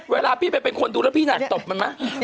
เวลาพี่ไอ้เป็นคนดูแล้วหนักตบมันมั้ย